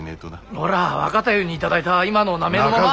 俺は若太夫に頂いた今の名前のまま。